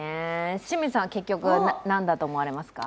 清水さんは結局、何だと思われますか？